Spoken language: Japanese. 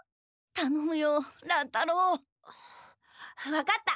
分かった！